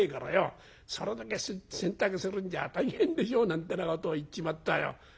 『それだけ洗濯するんじゃ大変でしょう』なんてなことを言っちまったよ。